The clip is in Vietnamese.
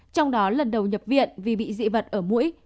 trong đó lần đầu nhập viện vì bị dị vật ở mũi